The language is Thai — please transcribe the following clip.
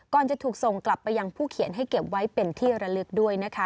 จะถูกส่งกลับไปยังผู้เขียนให้เก็บไว้เป็นที่ระลึกด้วยนะคะ